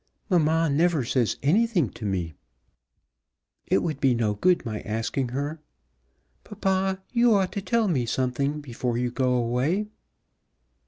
"Mamma never says anything to me. It would be no good my asking her. Papa, you ought to tell me something before you go away."